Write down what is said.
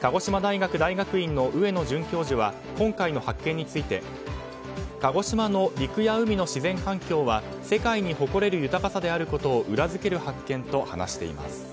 鹿児島大学大学院の上野准教授は今回の発見について鹿児島の陸や海の自然環境は世界に誇れる豊かさであることを裏付ける発見と話しています。